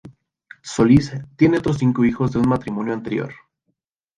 Solís tiene otros cinco hijos de un matrimonio anterior.